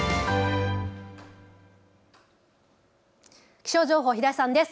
気象情報、平井さんです。